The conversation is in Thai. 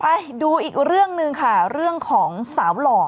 ไปดูอีกเรื่องหนึ่งค่ะเรื่องของสาวหล่อ